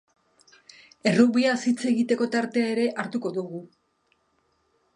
Errugbiaz hitz egiteko tartea ere hartuko dugu.